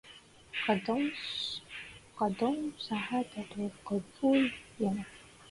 قدوم سعادة وقفول يمن